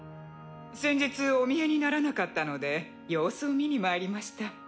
先日お見えにならなかったので様子を見に参りました。